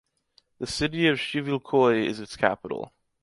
The city of Chivilcoy is its capital.